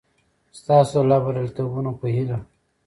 ستاسو د لا بریالیتوبونو په هیله!